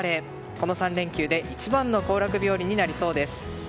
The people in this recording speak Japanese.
この３連休で一番の行楽日和になりそうです。